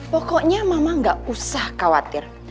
pokoknya mama gak usah khawatir